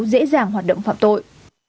dễ dàng hoạt động phạm tội